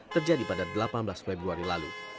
terjadi pada delapan belas februari lalu